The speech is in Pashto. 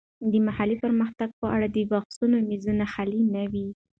د محلي پرمختګ په اړه د بحثونو میزونه خالي نه وي.